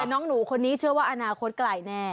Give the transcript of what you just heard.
แต่น้องหนูคนนี้เชื่อว่าอนาคตไกลแน่